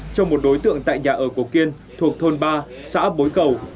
cho một đối tượng tại nhà ở cổ kiên thuộc thôn ba xã bối cầu